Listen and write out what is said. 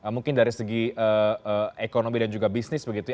mungkin dari segi ekonomi dan juga bisnis begitu ya